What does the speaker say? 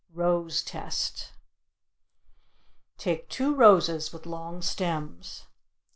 ROSE TEST Take two roses with long stems.